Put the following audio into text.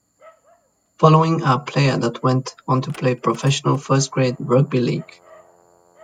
Following are player that went on to play professional first grade rugby league.